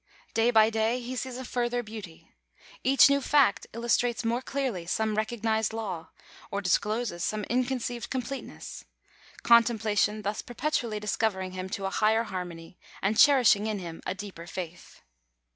Day by day he sees a further beauty. Each new fact illustrates more clearly some recognised law, or discloses some inconoeived completeness: contemplation thus perpetually discovering to him a higher < harmony, and cherishing in him a deeper faith.